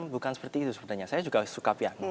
bukan seperti itu sebenarnya saya juga suka piano